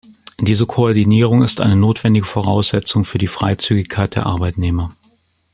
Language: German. Diese Koordinierung ist eine notwendige Voraussetzung für die Freizügigkeit der Arbeitnehmer.